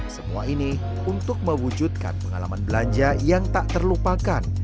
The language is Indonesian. semua ini untuk mewujudkan pengalaman belanja yang tak terlupakan